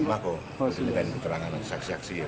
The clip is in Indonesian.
dibawa atau diminta keterangan saksi saksi